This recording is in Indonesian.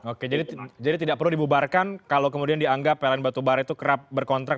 oke jadi tidak perlu dibubarkan kalau kemudian dianggap pln batubara itu kerap berkontrak